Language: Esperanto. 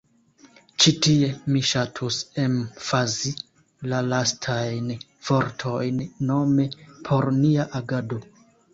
Ĉi tie mi ŝatus emfazi la lastajn vortojn, nome “por nia agado”.